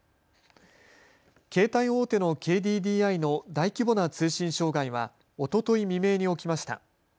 携帯大手のＫＤＤＩの大規模な通信障害はおととい未明に起きました。